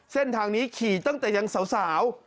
เส้นทางนี้ขี่ตั้งแต่ยังสาว